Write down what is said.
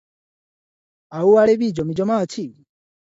ଆଉ ଆଡ଼େ ବି ଜମିଜମା ଅଛି ।